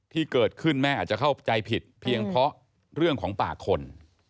ที่เกิดขึ้นแม่อาจจะเข้าใจผิดเพียงเพราะเรื่องของปากคน